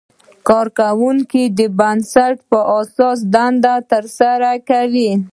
کارکوونکي د بست په اساس دنده ترسره کوي.